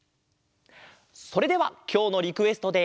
それではきょうのリクエストで。